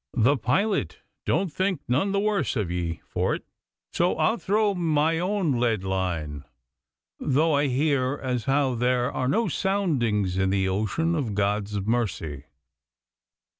The pilot don't think none the worse of ye for it. So I'll throw my own lead line, though I hear as how there are no soundings in the ocean of God's mercy.